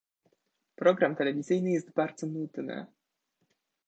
program telewizyjny jest bardzo nudny